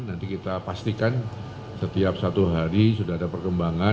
nanti kita pastikan setiap satu hari sudah ada perkembangan